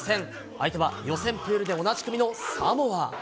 相手は予選プールで同じ組のサモア。